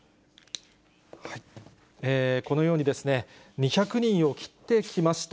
このように２００人を切ってきました。